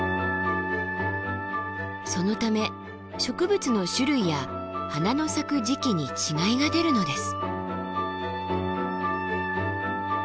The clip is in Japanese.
そのため植物の種類や花の咲く時期に違いが出るのです。